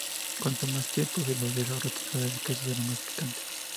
Cuanto más tiempo se lo deje reposar el queso será más picante.